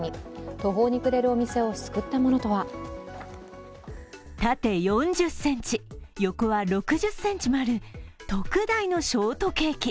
途方に暮れるお店を救ったものとは縦４０ｃｍ、横は６０ｃｍもある特大のショートケーキ。